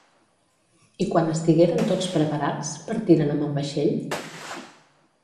I quan estigueren tots preparats, partiren amb el vaixell?